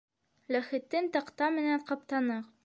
Ләхетен таҡта менән ҡаптаныҡ.